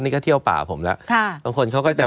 นี่ก็เที่ยวป่าผมแล้ว